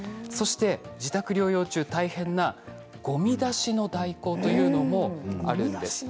自宅療養中大変なごみ出しの代行というのも、あるんです。